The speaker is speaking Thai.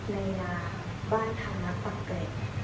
ในราบบ้านทางนักปะเก๋